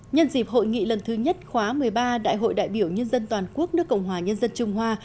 nhân dịp hội nghị lần thứ nhất khóa một mươi ba đại hội đại biểu nhân dân toàn quốc nước cộng hòa nhân dân trung hoa